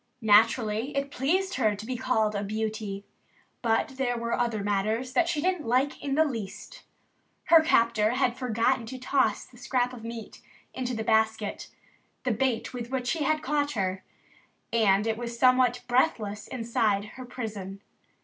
Naturally, it pleased her to be called a beauty. But there were other matters that she didn't like in the least. Her captor had forgotten to toss the scrap of meat into the basket the bait with which he had caught her. And it was somewhat breathless inside her prison.